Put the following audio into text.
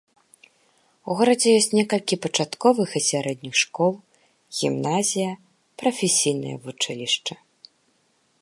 У горадзе ёсць некалькі пачатковых і сярэдніх школ, гімназія, прафесійнае вучылішча.